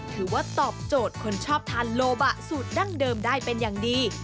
ถือว่าตอบโจทย์คนชอบทานโลบะสูตรดั้งเดิมได้เป็นอย่างดี